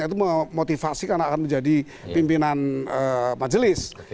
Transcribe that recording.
itu memotivasi karena akan menjadi pimpinan majelis